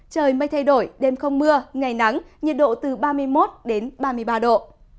trời mây thay đổi đêm không mưa ngày nắng nhiệt độ từ ba mươi một đến ba mươi ba độ